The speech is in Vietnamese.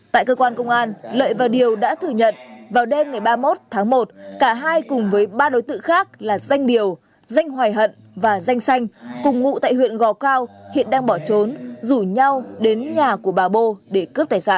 tại cơ quan công an lợi và điều đã thừa nhận vào đêm ngày ba mươi một tháng một cả hai cùng với ba đối tượng khác là danh điều danh hoài hận và danh xanh cùng ngụ tại huyện gò cao hiện đang bỏ trốn rủ nhau đến nhà của bà bô để cướp tài sản